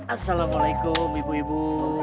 assalamu'alaikum ibu ibu